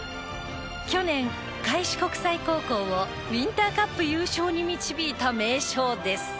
去年開志国際高校をウインターカップ優勝に導いた名将です。